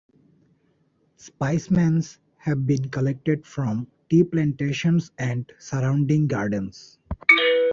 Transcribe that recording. Specimens have been collected from tea plantations and surrounding gardens.